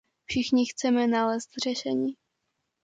Všichni chceme nalézt řešení.